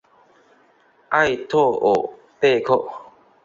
埃特尔贝克。